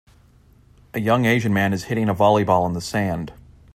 A young, Asian man is hitting a volleyball in the sand.